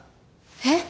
えっ！